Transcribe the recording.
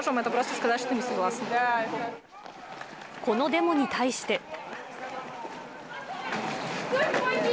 このデモに対して。